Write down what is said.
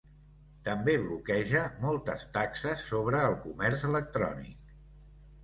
També bloqueja moltes taxes sobre el comerç electrònic.